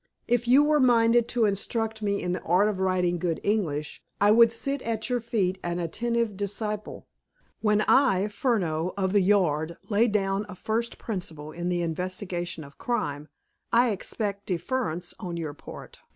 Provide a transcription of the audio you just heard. If you were minded to instruct me in the art of writing good English, I would sit at your feet an attentive disciple. When I, Furneaux, of the 'Yard,' lay down a first principle in the investigation of crime, I expect deference on your part.